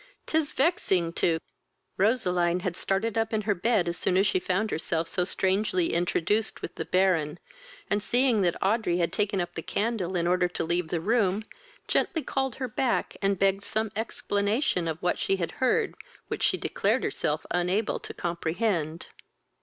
'Tis vexing to " Roseline had started up in her bed as soon as she found herself so strangely introduced with the Baron, and seeing that Audrey had taken up the candle in order to leave the room, gently called her back, and begged some explanation of what she had heard, which she declared herself unable to comprehend.